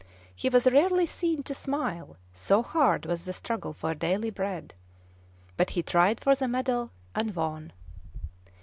He was rarely seen to smile, so hard was the struggle for daily bread. But he tried for the medal, and won.